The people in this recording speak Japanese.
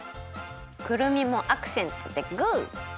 くるみもアクセントでグー！